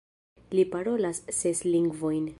Li parolas ses lingvojn.